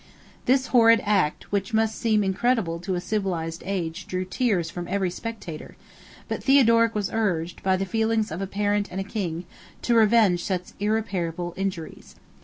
This horrid act, which must seem incredible to a civilized age drew tears from every spectator; but Theodoric was urged, by the feelings of a parent and a king, to revenge such irreparable injuries.